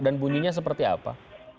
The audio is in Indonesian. dan bunyinya seperti apa